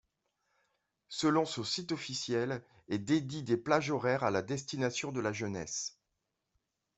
Selon son site officiel, et dédie des plages horaires à destination de la jeunesse.